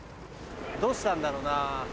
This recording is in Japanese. どうしたんだろうな？